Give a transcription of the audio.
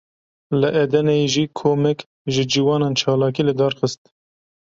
Li Edeneyê jî komek ji ciwanan çalakî lidar xist